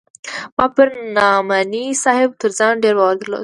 ما پر نعماني صاحب تر ځان ډېر باور درلود.